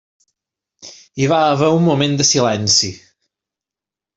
Hi va haver un moment de silenci.